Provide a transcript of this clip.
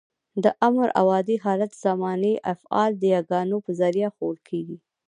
د امر او عادي حالت زماني افعال د يګانو په ذریعه ښوول کېږي.